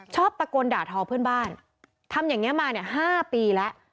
ชอบตะโกนด่าทอเพื่อนบ้านทำอย่างนี้มาเนี่ย๕ปีแล้ว